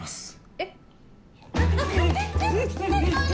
えっ？